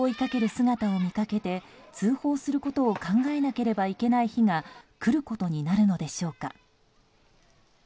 姿を見かけて通報することを考えなければいけない日が来ることになるのでしょうか。